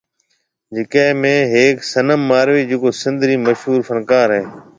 جڪي ۾ ھيَََڪ صنم ماروي جڪو سنڌ رِي مشھور فنڪارا ھيَََ